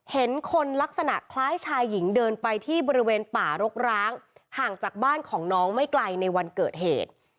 เห็นคนลักษณะคล้ายชายหญิงเดินไปที่บริเวณป่ารกร้างห่างจากบ้านของน้องไม่ไกลในวันเกิดเหตุ